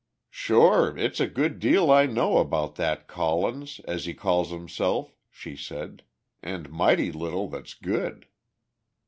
"Sure, it's a good deal I know about that Collins, as he calls himself," she said, "and mighty little that's good."